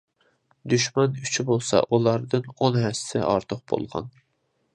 دۈشمەن كۈچى بولسا ئۇلاردىن ئون ھەسسە ئارتۇق بولغان.